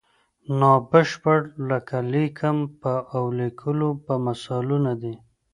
نا بشپړ لکه لیکم به او لیکو به مثالونه دي.